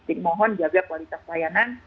jadi mohon jaga kualitas layanan